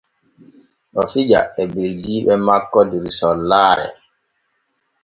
O fija e ɓeldiiɓe makko der sollaare.